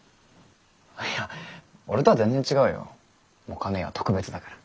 いや俺とは全然違うよ。もか姉は特別だから。